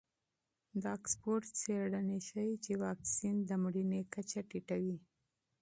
د اکسفورډ څېړنې ښیي چې واکسین د مړینې کچه ټیټوي.